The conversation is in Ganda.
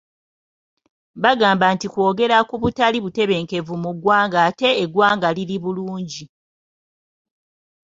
Bagamba nti kwogera ku butali butebenkevu muggwanga ate eggwanga liri bulungi.